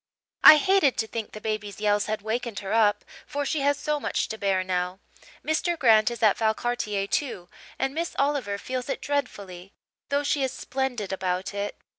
I hated to think the baby's yells had wakened her up, for she has so much to bear now. Mr. Grant is at Valcartier, too, and Miss Oliver feels it dreadfully, though she is splendid about it.